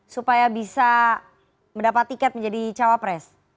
supaya bisa mendapat tiket menjadi cawapres